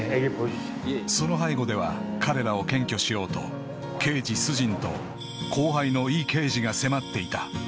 ［その背後では彼らを検挙しようと刑事スジンと後輩のイ刑事が迫っていた］